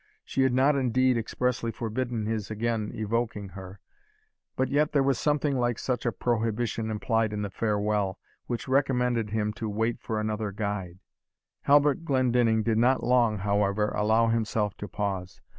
She had not indeed expressly forbidden his again evoking her; but yet there was something like such a prohibition implied in the farewell, which recommended him to wait for another guide. Halbert Glendinning did not long, however, allow himself to pause.